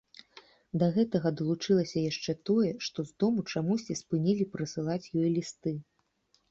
Да гэтага далучылася яшчэ тое, што з дому чамусьці спынілі прысылаць ёй лісты.